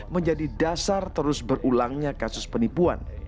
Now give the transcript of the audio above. menjadi dasar terus berulangnya kasus penipuan